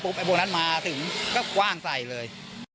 ปุ๊บไอ้พวกนั้นมาถึงก็กว้างใสเลย